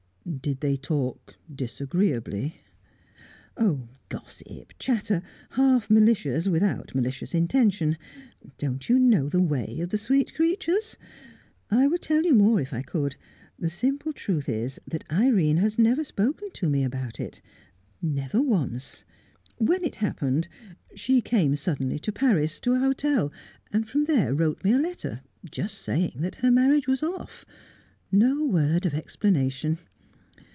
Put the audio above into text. "Did they talk disagreeably?" "Gossip chatter half malicious without malicious intention don't you know the way of the sweet creatures? I would tell you more if I could. The simple truth is that Irene has never spoken to me about it never once. When it happened, she came suddenly to Paris, to a hotel, and from there wrote me a letter, just saying that her marriage was off; no word of explanation.